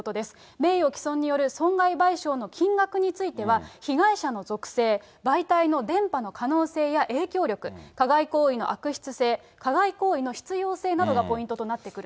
名誉毀損による損害賠償の金額については、被害者の属性、媒体の伝ぱの可能性や影響力、加害行為の悪質性、加害行為の執よう性などがポイントとなってくると。